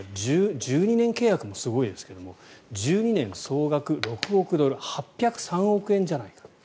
１２年契約もすごいですけど１２年、総額６億ドル８０３億円じゃないかと。